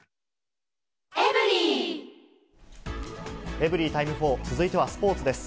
エブリィタイム４、続いてはスポーツです。